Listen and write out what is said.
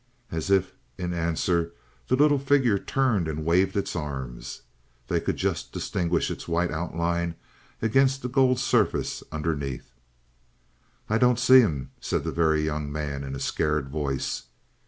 As if in answer the little figure turned and waved its arms. They could just distinguish its white outline against the gold surface underneath. "I don't see him," said the Very Young Man in a scared voice.